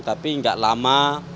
tapi enggak lama